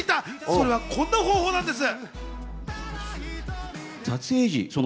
それはこんな方法なんです。